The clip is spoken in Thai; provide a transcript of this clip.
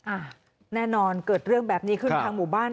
อ่ะแน่นอนเกิดเรื่องแบบนี้ขึ้นทางหมู่บ้าน